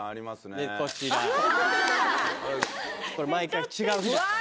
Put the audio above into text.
これ毎回違う日ですから。